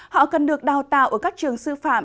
họ cần được đào tạo ở các trường sư phạm